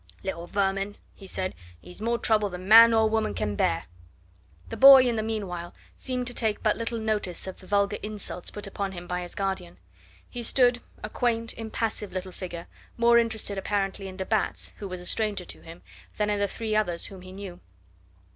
"Little vermin," he said, "he is more trouble than man or woman can bear." The boy in the meanwhile seemed to take but little notice of the vulgar insults put upon him by his guardian. He stood, a quaint, impassive little figure, more interested apparently in de Batz, who was a stranger to him, than in the three others whom he knew.